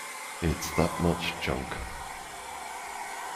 It's that much junk.